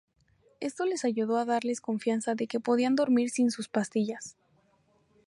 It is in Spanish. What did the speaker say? Esto les ayudó a darles confianza de que podían dormir sin sus pastillas.